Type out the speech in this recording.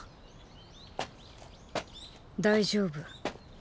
大丈夫。